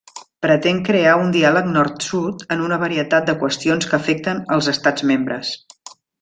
Pretén crear un diàleg nord-sud en una varietat de qüestions que afecten els Estats membres.